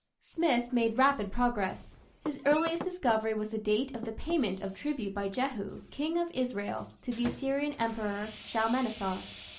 Smith made rapid progress. His earliest discovery was the date of the payment of tribute by Jehu, King of Israel, to the Assyrian Emperor Shalmaneser.